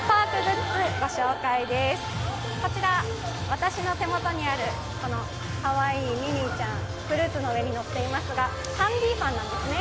私の手元にあるかわいいミニーちゃん、フルーツの上に乗っていますがハンディーファンなんですね。